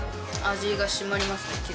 味が締まりますね。